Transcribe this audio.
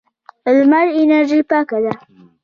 لمر انرژي پاکه ده.